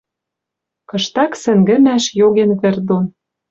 Кыштак сӹнгӹмӓш, йоген вӹр дон